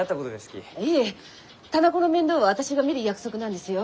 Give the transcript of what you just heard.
いえ店子の面倒は私が見る約束なんですよ。